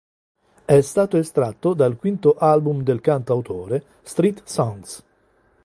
È stato estratto dal quinto album del cantautore, "Street Songs".